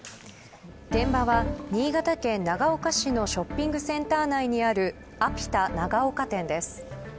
現場は新潟県長岡市のショッピングセンター内にあるアピタ長岡店です。